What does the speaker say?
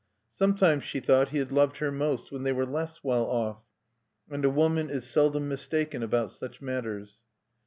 Sometimes she thought he had loved her most when they were less well off; and a woman is seldom mistaken about such matters.